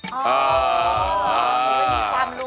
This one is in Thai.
มีความรู้